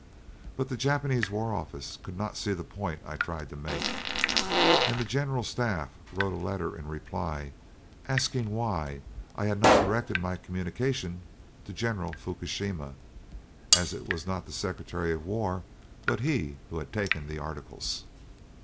But the Japanese War Office could not see the point I tried to make, and the General Staff wrote a letter in reply asking why I had not directed my communication to General Fukushima, as it was not the Secretary of War, but he, who had taken the articles.